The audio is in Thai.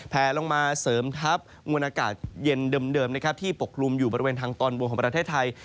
แผลลงมาเสริมทัพมวลอากาศเย็นเดิมนะครับที่ปกลุ่มอยู่บริเวณทางตอนบนของประเทศไทย